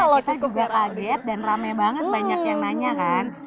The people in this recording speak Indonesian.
kita juga kaget dan rame banget banyak yang nanya kan